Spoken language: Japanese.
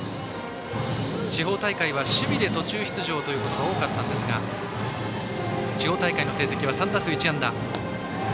地方大会は守備から途中出場が多かったんですが地方大会の成績は３打数１安打。